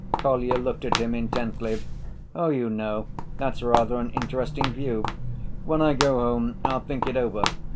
Kolya looked at him intently. "Oh, you know, that's rather an interesting view. When I go home, I'll think it over.